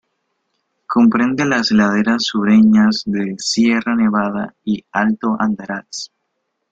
Comprende las laderas sureñas de Sierra Nevada y el Alto Andarax.